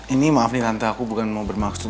ini maaf nih tante aku bukan mau bermaksud